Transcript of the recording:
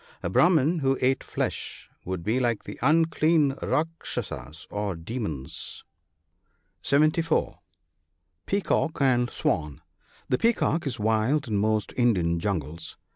A Brahman who ate flesh would be like the unclean " Kdkshasas" or demons. (74 ) Peacock and Swan. — The peacock is wild in most Indian jungles.